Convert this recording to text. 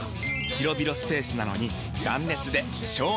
広々スペースなのに断熱で省エネ！